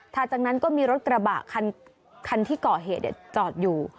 จากนั้นก็มีรถกระบะคันที่ก่อเหตุจอดอยู่